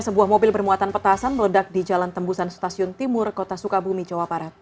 sebuah mobil bermuatan petasan meledak di jalan tembusan stasiun timur kota sukabumi jawa barat